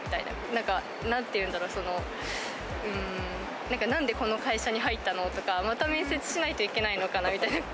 なんか、なんていうんだろう、なんでこの会社に入ったの？とか、また面接しないといけないのかみたいな。